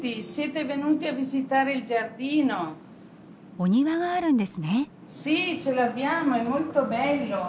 お庭があるんですね。